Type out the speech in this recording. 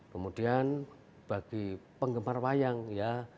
kemudian bagi penggemar wayang ya